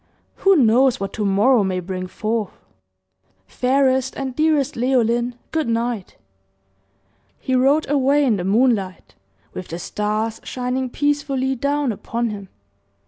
"Who knows what to morrow may bring forth! Fairest and dearest Leoline, good night!" He rode away in the moonlight, with the stars shining peacefully down upon him.